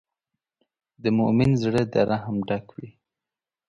د مؤمن زړۀ د رحم ډک وي.